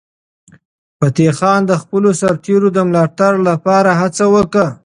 فتح خان د خپلو سرتیرو د ملاتړ لپاره هڅه وکړه.